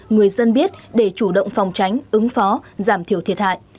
người dân biết để chủ động phòng tránh ứng phó giảm thiểu thiệt hại